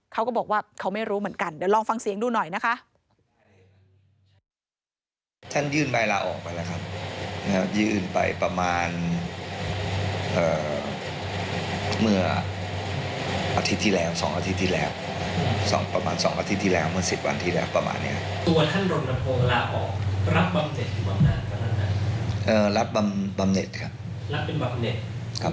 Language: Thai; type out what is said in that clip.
เขาก็บอกว่าเขาไม่รู้เหมือนกันเดี๋ยวลองฟังเสียงดูหน่อยนะคะ